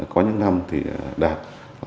có những năm thì đạt